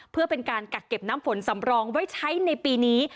เพื่อเป็นการกักเก็บน้ำฝนสำรองไว้ใช้ในปีนี้